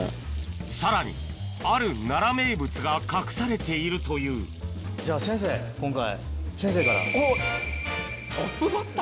さらにある奈良名物が隠されているというあっトップバッター？